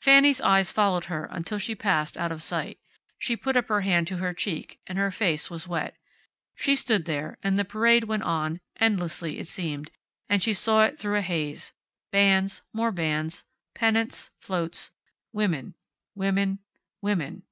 Fanny's eyes followed her until she passed out of sight. She put up her hand to her cheek, and her face was wet. She stood there, and the parade went on, endlessly, it seemed, and she saw it through a haze. Bands. More bands. Pennants. Floats. Women. Women. Women.